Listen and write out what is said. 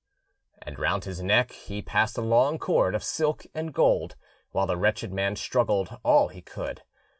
And round his neck he passed a long cord of silk and gold, while the wretched man struggled all he could.